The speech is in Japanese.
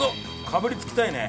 かぶりつきたいね。